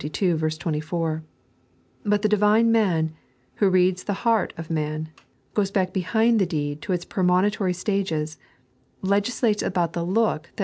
24) ; but the Divine Man, who reads the heart of man, goes back behind the deed to its premonitory stages, legislates about the look that may 3.